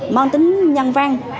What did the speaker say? mong tính nhân vang